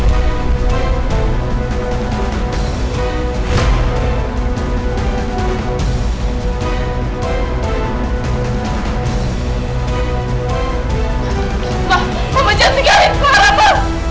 ma mama jangan tinggalin clara ma